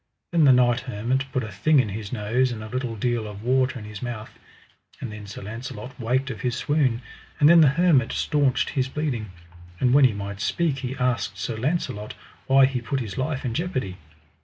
Then the knight hermit put a thing in his nose and a little deal of water in his mouth. And then Sir Launcelot waked of his swoon, and then the hermit staunched his bleeding. And when he might speak he asked Sir Launcelot why he put his life in jeopardy.